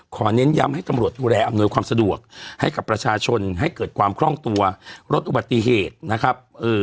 เน้นย้ำให้ตำรวจดูแลอำนวยความสะดวกให้กับประชาชนให้เกิดความคล่องตัวลดอุบัติเหตุนะครับ